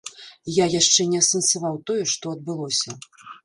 Я яшчэ не асэнсаваў тое, што адбылося.